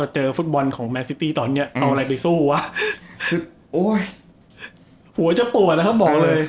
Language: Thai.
แล้วเจอฟุตบอลของแม็กซิตี้ตอนเนี้ยเอาอะไรไปสู้วะคือโอ้ยหัวจะปวดนะครับ